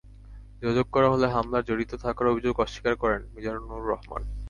যোগাযোগ করা হলে হামলায় জড়িত থাকার অভিযোগ অস্বীকার করেন মিজানুর রহমান।